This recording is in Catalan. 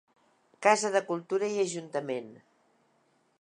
Casa de Cultura i Ajuntament.